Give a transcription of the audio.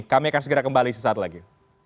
kami akan segera kembali sesaat lagi